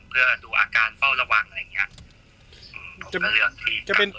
เพื่อดูอาการเฝ้าระวังอะไรอย่างนี้